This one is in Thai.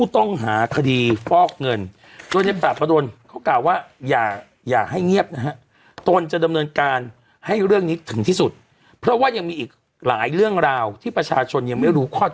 ตามนัตมายในฐานะ